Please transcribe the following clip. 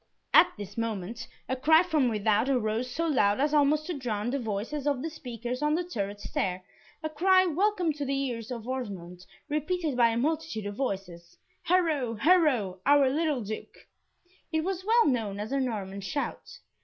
At this moment a cry from without arose, so loud as almost to drown the voices of the speakers on the turret stair, a cry welcome to the ears of Osmond, repeated by a multitude of voices, "Haro! Haro! our little Duke!" It was well known as a Norman shout.